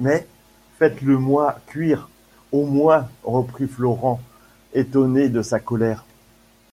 Mais faites-le-moi cuire, au moins, reprit Florent, étonné de sa colère ;